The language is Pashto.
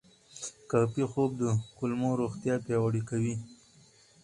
کافي خوب د کولمو روغتیا پیاوړې کوي.